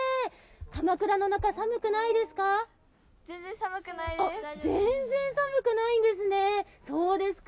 かまくらの中、寒くないですか？